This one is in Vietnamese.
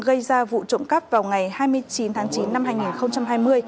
gây ra vụ trộm cắp vào ngày hai mươi chín tháng chín năm hai nghìn hai mươi